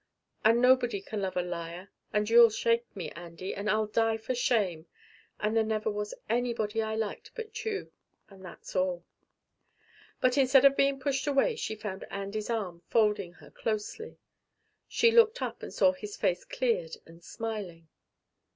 And nobody can love a liar and you'll shake me, Andy, and I'll die for shame. Oh, there never was anybody I liked but you and that's all." But instead of being pushed away she found Andy's arm folding her closely. She looked up and saw his face cleared and smiling.